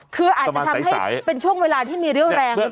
คืออาจจะทำให้เป็นช่วงเวลาที่มีเรี่ยวแรง